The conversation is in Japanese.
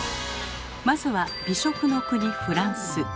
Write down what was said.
まずは美食の国フランス。